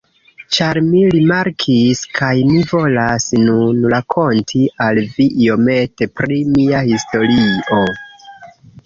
Ĉar mi rimarkis, kaj mi volas nun rakonti al vi iomete pri mia historio.